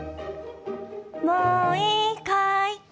もういいかい。